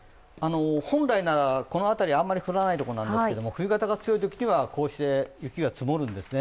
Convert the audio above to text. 本来ならこの辺り、あんまり降らない所なんですけど冬型が強いときにはこうして雪が積もるんですね。